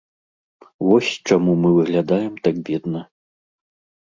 Вось чаму мы выглядаем так бедна.